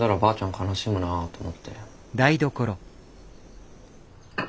悲しむなあと思って。